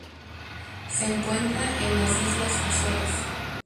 Se encuentra en las Islas Azores.